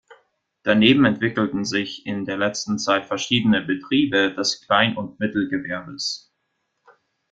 Daneben entwickelten sich in der letzten Zeit verschiedene Betriebe des Klein- und Mittelgewerbes.